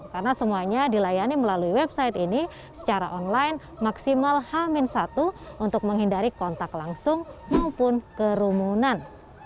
karena semuanya dilayani melalui website ini secara online maksimal hamin satu untuk menghindari kontak langsung maupun kerumunan